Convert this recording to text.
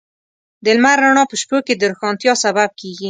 د لمر رڼا په شپو کې د روښانتیا سبب کېږي.